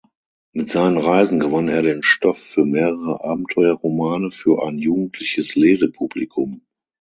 Mit seinen Reisen gewann er den Stoff für mehrere Abenteuerromane für ein jugendliches Lesepublikum.